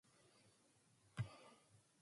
They have one son: James.